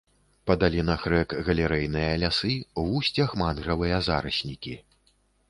Па далінах рэк галерэйныя лясы, у вусцях мангравыя зараснікі.